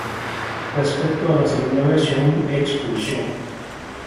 Respecto a la segunda versión, "Expulsión.